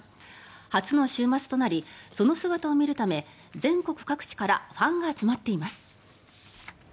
初の週末となりその姿を見るため全国各地からファンが集まっています。